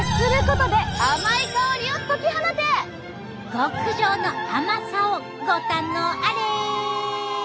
極上の甘さをご堪能あれ。